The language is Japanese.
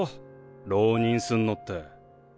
浪人すんのって。